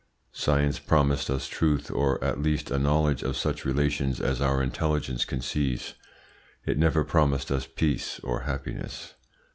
Science promised us truth, or at least a knowledge of such relations as our intelligence can seize: it never promised us peace or happiness.